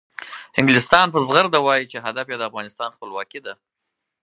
انګلستان په زغرده وایي چې هدف یې د افغانستان خپلواکي ده.